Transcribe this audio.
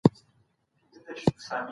هغه له پخوا څخه په دې موضوع کار کاوه.